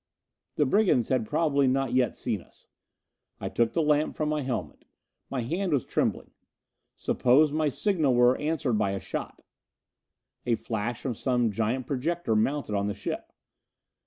The brigands had probably not yet seen us. I took the lamp from my helmet. My hand was trembling. Suppose my signal were answered by a shot? A flash from some giant projector mounted on the ship?